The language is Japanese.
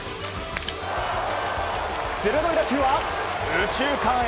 鋭い打球は右中間へ。